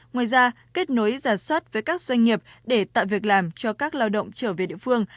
ngoài ra kết nối giả soát với các doanh nghiệp để tạo việc làm cho các lao động trở về địa phương